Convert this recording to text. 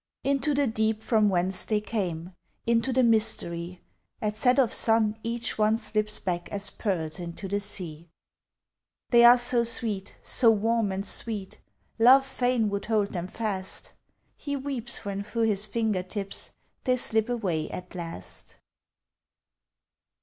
Into the deep from whence they came; into the mystery At set of sun each one slips back as pearls into the sea. They are so sweet so warm and sweet Love fain would hold them fast: He weeps when through his finger tips they slip away at last.